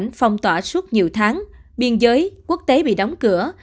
nhiều người nhập cảnh phong tỏa suốt nhiều tháng biên giới quốc tế bị đóng cửa